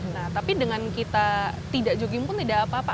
nah tapi dengan kita tidak jogging pun tidak apa apa